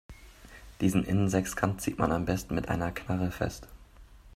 Diesen Innensechskant zieht man am besten mit einer Knarre fest.